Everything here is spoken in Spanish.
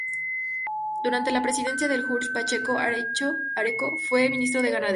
Durante la presidencia de Jorge Pacheco Areco fue ministro de Ganadería.